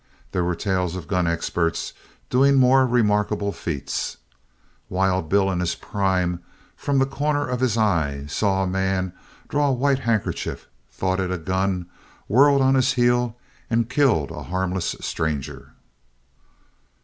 There were tales of gun experts doing more remarkable feats. Wild Bill, in his prime, from the corner of his eye saw a man draw a white hankerchief, thought it a gun, whirled on his heel, and killed a harmless stranger.